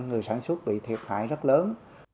người sản xuất bị thiệt hại rất lớn